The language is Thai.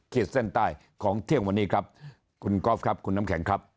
เส้นใต้ของเที่ยงวันนี้ครับคุณกอล์ฟครับคุณน้ำแข็งครับ